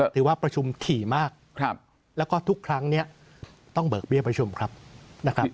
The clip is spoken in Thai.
ถือว่าประชุมถี่มากแล้วก็ทุกครั้งเนี่ยต้องเบิกเบี้ยประชุมครับนะครับ